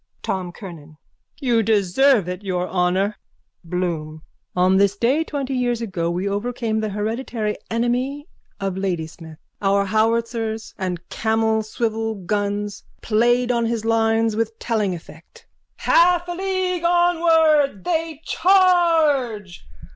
_ TOM KERNAN: You deserve it, your honour. BLOOM: On this day twenty years ago we overcame the hereditary enemy at Ladysmith. Our howitzers and camel swivel guns played on his lines with telling effect. Half a league onward! They charge!